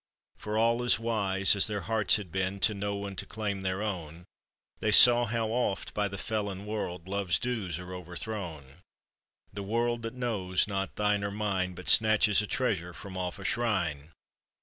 For all as wise as their hearts had been To know and to claim their own, They saw how oft by the felon world Love's dues are overthrown : The world that knows not thine or mine, But snatches a treasure from off a shrine.